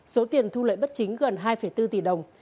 số tiền thu lợi bất chính gần hai bốn tỷ đồng